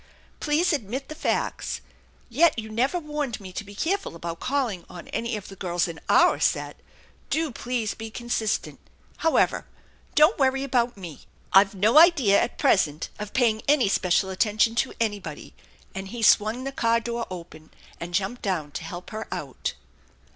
Please admit the facts. Yet you never warned me to be careful about calling on any of the girls in our set. Do please be consistent. How ever, don't worry about me. I've no idea at present of paying any special attention to anybody," and he swung the car door pen and jumped down to help her out.